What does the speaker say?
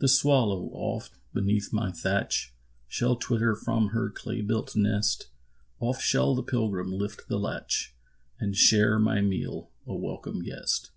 The swallow, oft, beneath my thatch, Shall twitter from her clay built nest; Oft shall the pilgrim lift the latch, And share my meal, a welcome guest.